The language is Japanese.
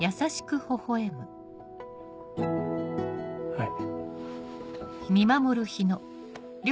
はい。